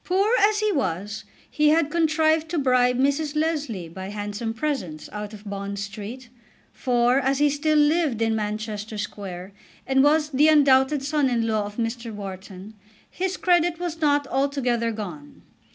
Poor as he was he had contrived to bribe Mrs. Leslie by handsome presents out of Bond Street; for, as he still lived in Manchester Square, and was the undoubted son in law of Mr. Wharton, his credit was not altogether gone.